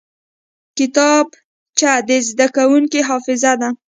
کتابچه د زده کوونکي حافظه ده